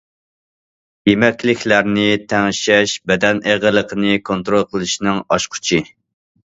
يېمەكلىكلەرنى تەڭشەش بەدەن ئېغىرلىقىنى كونترول قىلىشنىڭ ئاچقۇچى.